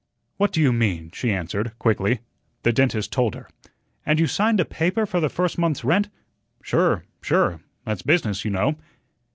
"What do you mean?" she answered, quickly. The dentist told her. "And you signed a paper for the first month's rent?" "Sure, sure. That's business, you know."